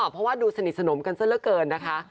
เพราะว่าดูสนิทสนมกันซะละเกินนะคะ